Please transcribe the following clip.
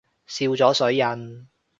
笑咗水印